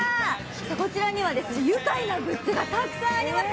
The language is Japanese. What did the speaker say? こちらには愉快なグッズがたくさんあります。